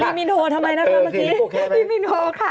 พลีมิโน้ทำไมนะคะเมื่อกี้โอเคค่ะ